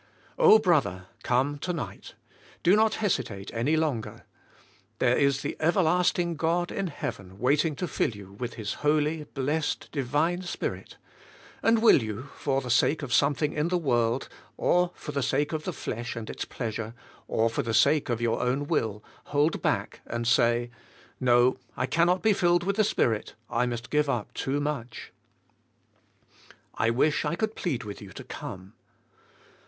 Oh, brother, come to night! do not hesitate any longer! There is the Everlasting God in heaven waiting to fill you with His holy, blessed, divine Spirit; and will you, for the sake of something in the world, or for the sake of the flesh and its pleasure, or for the sake of your own will, hold back and say, '' No, I cannot be filled with the Spirit, I must give up too much?" I wish I could plead with you to come.